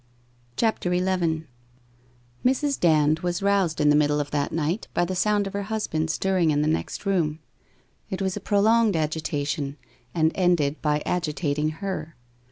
CHAPTER XI Mrs. Dand was roused in the middle of that night, by the sound of her husband stirring in the next room. It was a prolonged agitation and ended by agitating her.